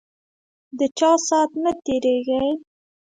ده چا سات نه تیریږی